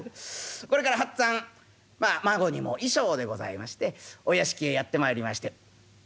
これからはっつぁんまあ「馬子にも衣装」でございましてお屋敷へやって参りまして。